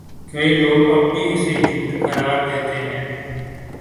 کئی لوگ اب بھی اسے جھوٹ قرار دیتے ہیں